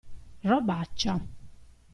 Robaccia.